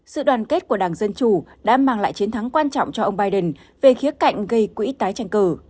sự đoàn kết của đảng dân chủ đã mang lại chiến thắng quan trọng cho ông biden về khía cạnh gây quỹ tái tranh cử